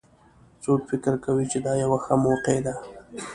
څوک فکر کوي چې دا یوه ښه موقع ده